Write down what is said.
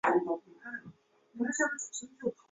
以期让浏览器运行更有效率。